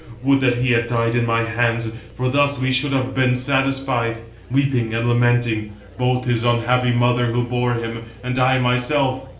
715 Would that he had died in my hands; for thus we should have been satisfied, weeping and lamenting, both his unhappy mother who bore him, and I myself."